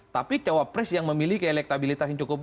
tapi cawapres yang memiliki elektabilitas yang cukup